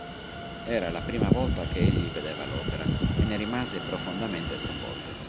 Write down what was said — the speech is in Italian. Era la prima volta che egli vedeva l'opera, e ne rimase profondamente sconvolto.